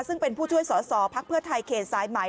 ซึ่งเป็นผู้ช่วยสอสอพักเพื่อไทยเขตสายไหม